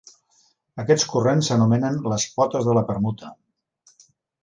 Aquests corrents s'anomenen les "potes" de la permuta.